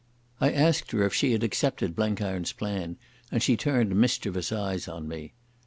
I asked her if she had accepted Blenkiron's plan, and she turned mischievous eyes on me.